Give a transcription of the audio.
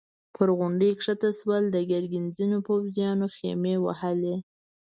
پر غونډۍ کښته شول، د ګرګين ځينو پوځيانو خيمې وهلې.